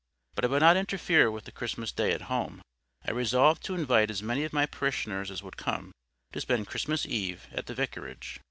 But I would not interfere with the Christmas Day at home. I resolved to invite as many of my parishioners as would come, to spend Christmas Eve at the Vicarage.